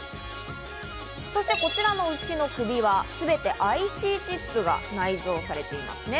そして、こちらの牛の首輪、すべてＩＣチップが内蔵されていますね。